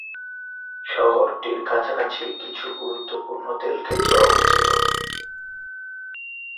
শহরটির কাছাকাছি কিছু গুরুত্বপূর্ণ তেল ক্ষেত্র অবস্থিত।